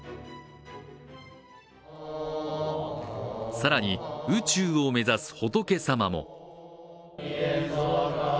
更に、宇宙を目指す仏様も。